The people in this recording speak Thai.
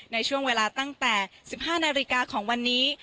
ในช่วงเวลาตั้งแต่๑๕นาฬิกาของวันนี้